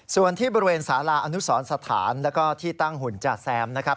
ส่วนที่บริเวณสาราอนุสรสถานแล้วก็ที่ตั้งหุ่นจาแซมนะครับ